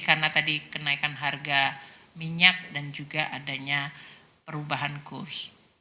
karena tadi kenaikan harga minyak dan juga adanya perubahan kurs